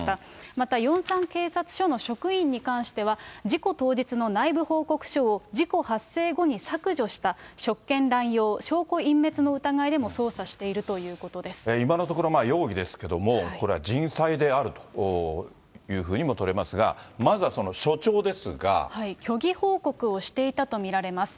またヨンサン警察署の職員に関しては、事故当日の内部報告書を事故発生後に削除した職権乱用、証拠隠滅の疑いでも捜査していると今のところ、容疑ですけれども、これは人災であるというふうにもとれますが、まずは署長です虚偽報告をしていたと見られます。